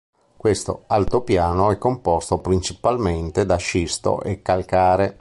Questo altopiano è composto principalmente da scisto e calcare.